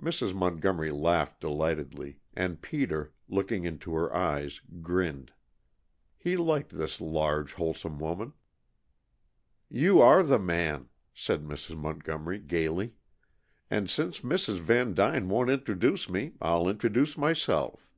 Mrs. Montgomery laughed delightedly, and Peter, looking into her eyes, grinned. He liked this large, wholesome woman. "You are the man!" said Mrs. Montgomery gaily. "And since Mrs. Vandyne won't introduce me, I'll introduce myself."